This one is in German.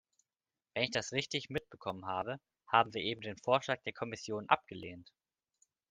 Wenn ich das richtig mitbekommen habe, haben wir eben den Vorschlag der Kommission abgelehnt.